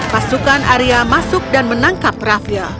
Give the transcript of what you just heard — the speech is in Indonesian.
pasukan arya masuk dan menangkap rafiel